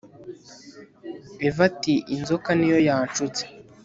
Eva ati inzoka niyo yanshutse